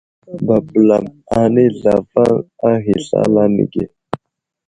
Babəlam anay zlavaŋ a ghay aslane ge.